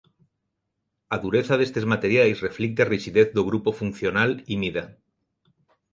A dureza destes materiais reflicte a rixidez do grupo funcional imida.